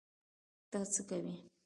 ته څه کوی؟